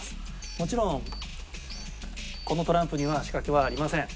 もちろんこのトランプには仕掛けはありません。